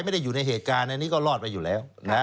ไม่ได้อยู่ในเหตุการณ์อันนี้ก็รอดไปอยู่แล้วนะ